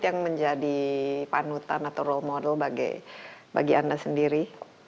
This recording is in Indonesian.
yang menjadi panutan atau role model bagi anda sendiri